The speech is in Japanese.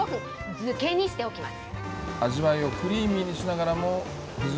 漬けにしておきます。